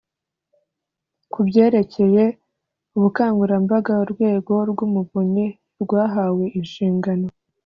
ku byerekeye ubukangurambaga, urwego rw’umuvunyi rwahawe inshingano